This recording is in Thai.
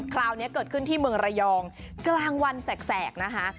คราวนี้เกิดขึ้นที่เมืองระยองกลางวันแสกนะคะ